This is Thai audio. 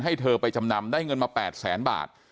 ให้เธอไปจำนำได้เงินมา๘แสนบาท